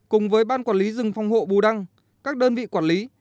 cùng với ban quản lý rừng phòng hộ bù đăng các đơn vị quản lý